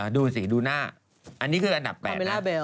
ดูสิดูหน้าอันนี้คืออันดับ๘